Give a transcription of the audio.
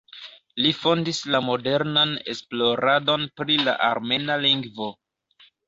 Li fondis la modernan esploradon pri la armena lingvo.